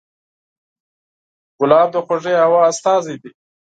ګلاب د خوږې هوا استازی دی.